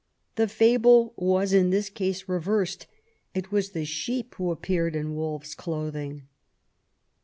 '^ The fable was in this case reversed ; it was the sheep who had appeared in wolfs clothing.